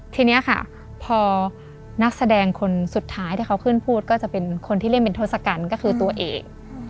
ทีนี้ค่ะพอนักแสดงคนสุดท้ายที่เขาขึ้นพูดก็จะเป็นคนที่เล่นเป็นทศกัณฐ์ก็คือตัวเอก